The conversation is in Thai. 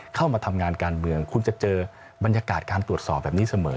เข้ามาทำงานการเมืองคุณจะเจอบรรยากาศการตรวจสอบแบบนี้เสมอ